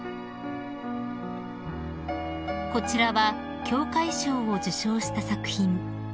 ［こちらは協会賞を受賞した作品］